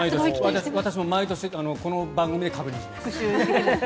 私も毎年この番組で確認します。